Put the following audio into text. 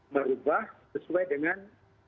berubah sesuai dengan